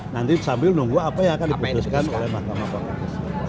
nanti sambil nunggu apa yang akan diputuskan oleh mahkamah konstitusi